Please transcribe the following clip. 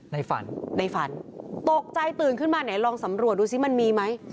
ในฝันในฝันตกใจตื่นขึ้นมาไหนลองสำรวจดูสิมันมีไหม